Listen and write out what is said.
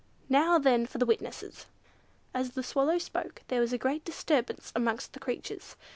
Now then for the witnesses." As the Swallow spoke, there was a great disturbance amongst the creatures.